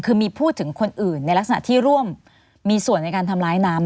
คือมีพูดถึงคนอื่นในลักษณะที่ร่วมมีส่วนในการทำร้ายน้ำ